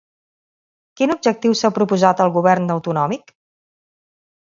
Quin objectiu s'ha proposat el govern autonòmic?